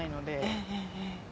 ええ。